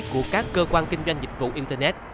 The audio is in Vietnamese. của các cơ quan kinh doanh dịch vụ internet